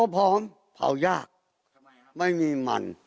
ภาวยากไม่มีมัน